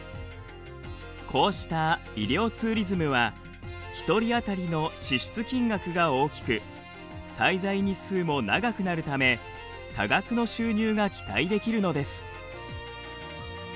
こうした医療ツーリズムは一人当たりの支出金額が大きく滞在日数も長くなるため多額の収入が期待できるのです。